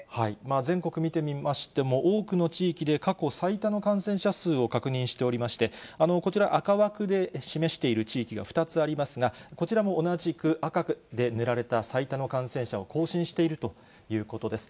全国見てみましても、多くの地域で過去最多の感染者数を確認しておりまして、こちら、赤枠で示している地域が２つありますが、こちらも同じく、赤で塗られた最多の感染者を更新しているということです。